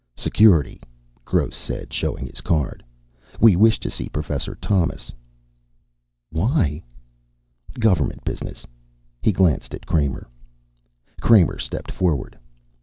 "Security," Gross said, showing his card. "We wish to see Professor Thomas." "Why?" "Government business." He glanced at Kramer. Kramer stepped forward.